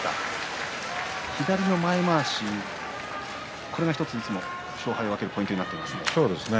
左の前まわしこれが１つ勝敗を分けるポイントになってきます。